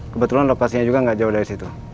kebetulan lokasinya juga nggak jauh dari situ